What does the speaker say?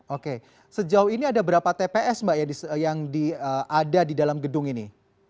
oke sejauh ini ada berapa tps mbak yang ada di dalam gedung ini